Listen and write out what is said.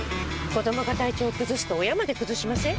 子どもが体調崩すと親まで崩しません？